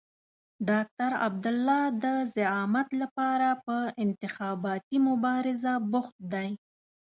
ډاکټر عبدالله د زعامت لپاره په انتخاباتي مبارزه بوخت دی.